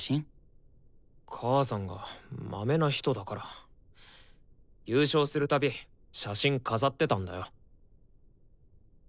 母さんがまめな人だから優勝するたび写真飾ってたんだよ。